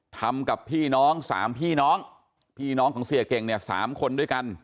ทำกับพี่น้องสามพี่น้องพี่น้องของเสียเก่งเนี่ย๓คนด้วยกัน